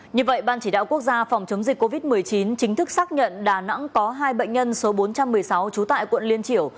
như vậy ban chỉ đạo quốc gia phòng chống dịch covid một mươi chín chính thức xác nhận đà nẵng có hai bệnh nhân số bốn trăm một mươi sáu trú tại quận liên triểu